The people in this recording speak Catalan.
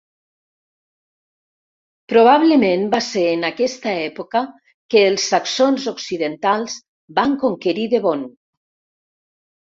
Probablement va ser en aquesta època que els saxons occidentals van conquerir Devon.